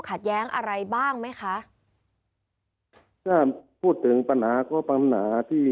แย้งอะไรบ้างไหมคะถ้าพูดถึงปัญหาก็ปัญหาที่